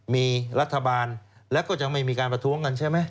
มีรัฐบาลแล้วก็ยังไม่มีการประท้วงกันใช่ไหม